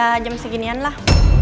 ya jam seginian lah